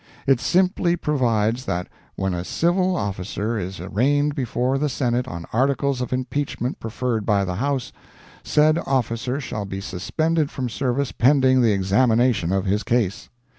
It simply provides that when a civil officer is arraigned before the Senate on articles of impeachment preferred by the House, said officer shall be suspended from service pending the examination of his case.